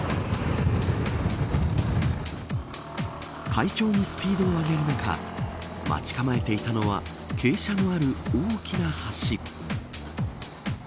快調にスピードを上げる中待ち構えていたのは傾斜のある大きな橋。